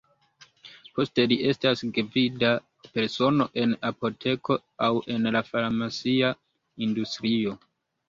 Poste li estas gvida persono en apoteko aŭ en la farmacia industrio.